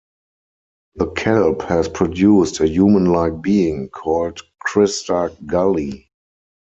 The kelp has produced a human-like being, called Crista Galli.